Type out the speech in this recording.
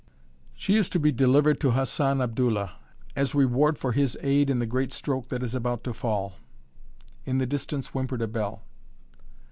"She is to be delivered to Hassan Abdullah, as reward for his aid in the great stroke that is about to fall." In the distance whimpered a bell.